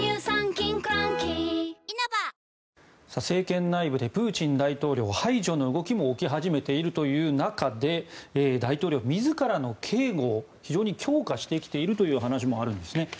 政権内部でプーチン大統領排除の動きも起き始めているという中で大統領自らの警護を非常に強化してきているという話もあるんですね。